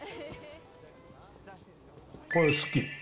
これ好き。